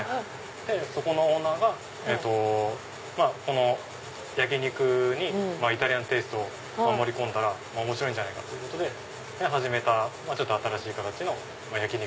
そこのオーナーが焼き肉にイタリアンテイストを盛り込んだら面白いんじゃないかということで始めた新しい形の焼き肉。